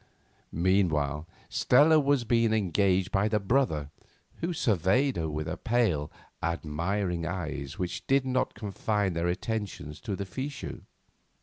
Meanwhile, Stella was being engaged by the brother, who surveyed her with pale, admiring eyes which did not confine their attentions to the fichu.